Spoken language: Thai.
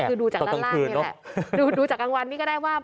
คือดูจากด้านล่างนี่แหละดูจากกลางวันนี้ก็ได้ว่า